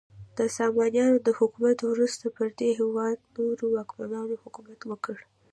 د سامانیانو د حکومت وروسته پر دې هیواد نورو واکمنانو حکومت وکړ.